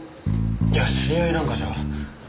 いや知り合いなんかじゃ。